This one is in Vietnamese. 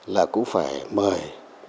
là cũng phải mời